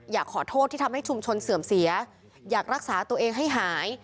อยากขอโทษที่ทำให้ชุมชนเสื่อมเสียอยากรักษาตัวเองให้หาย